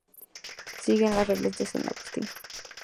Siguen la regla de San Agustín.